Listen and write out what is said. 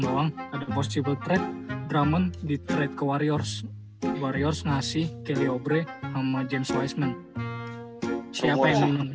doang ada posisi betretk ramen ditret ke warriors warriors ngasih keliobre ama james weisman siapa